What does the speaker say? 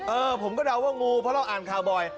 ผมก็เดาว่างูเพราะเราอ่านข่าวบ่อย